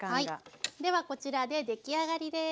ではこちらで出来上がりです。